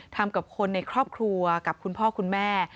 ทำกับคนในครอบครัวกับคุณพ่อคุณแม่